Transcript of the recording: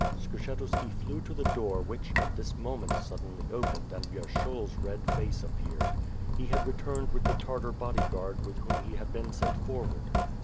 Skshetuski flew to the door which, at this moment, sud denly opened and Vyershul's red face appeared. He had re turned with the Tartar body guard with whom he had been sent forward.